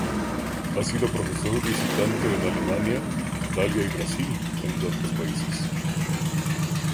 Ha sido profesor visitante en Alemania, Italia y Brasil, entre otros países.